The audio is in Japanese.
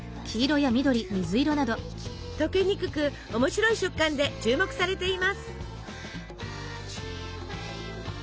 溶けにくく面白い食感で注目されています。